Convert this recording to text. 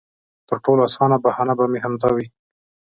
تر ټولو اسانه بهانه به مې همدا وي.